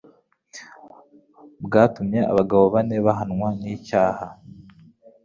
bwatumye abagabo bane bahamwa n'icyaha.